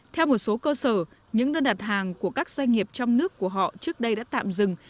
theo một số cơ sở những đơn đặt hàng của các doanh nghiệp trong nước của họ trước đây đã tạm dừng